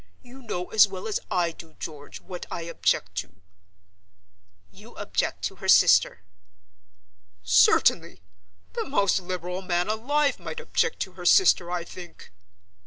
You know as well as I do, George, what I object to." "You object to her sister?" "Certainly! The most liberal man alive might object to her sister, I think."